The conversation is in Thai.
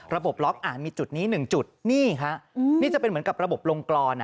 ระบบล็อกอ่านมีจุดนี้๑จุดนี่ฮะนี่จะเป็นเหมือนกับระบบลงกรอน